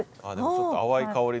ちょっと淡い香りの。